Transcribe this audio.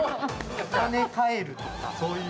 ◆お金かえるとか、そういう。